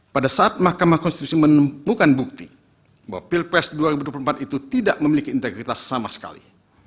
pada saat mahkamah konstitusi menemukan bukti bahwa pilpres dua ribu dua puluh empat itu tidak memiliki integritas sama sekali